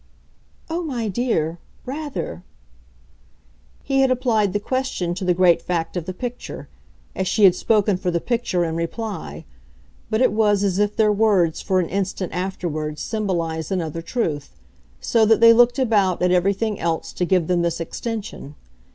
"Oh, my dear rather!" He had applied the question to the great fact of the picture, as she had spoken for the picture in reply, but it was as if their words for an instant afterwards symbolised another truth, so that they looked about at everything else to give them this extension.